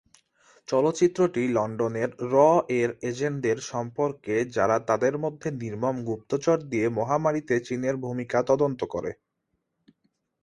চলচ্চিত্রটি লন্ডনের র-এর এজেন্টদের সম্পর্কে যারা তাদের মধ্যে নির্মম গুপ্তচর দিয়ে মহামারীতে চীনের ভূমিকা তদন্ত করে।